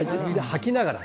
吐きながら。